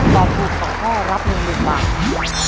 ตอบถูก๒ข้อรับ๑๐๐๐บาท